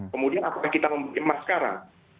kemudian apakah kita memutuskan sekarang